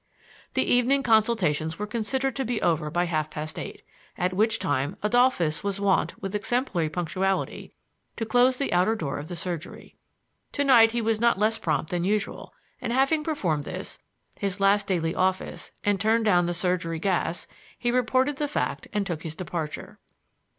The evening consultations were considered to be over by half past eight; at which time Adolphus was wont with exemplary punctuality to close the outer door of the surgery. To night he was not less prompt than usual; and having performed this, his last daily office, and turned down the surgery gas, he reported the fact and took his departure.